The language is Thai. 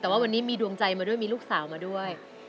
แต่ว่าวันนี้มีดวงใจมาด้วยมีลูกสาวมาด้วย